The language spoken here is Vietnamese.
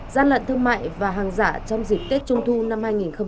gian lận thương mại và hàng giả trong dịp tết trung thu năm hai nghìn hai mươi